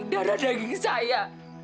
darah daging saya